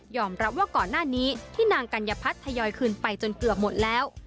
รับว่าก่อนหน้านี้ที่นางกัญญพัฒน์ทยอยคืนไปจนเกือบหมดแล้ว